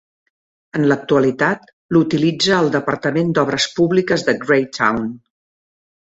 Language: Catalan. En l'actualitat, l'utilitza el departament d'obres públiques de Greytown.